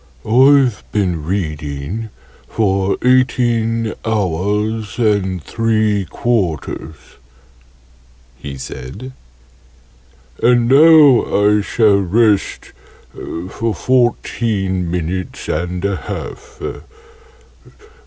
"I've been reading for eighteen hours and three quarters," he said, "and now I shall rest for fourteen minutes and a half.